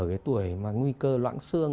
cái tuổi mà nguy cơ loãng xương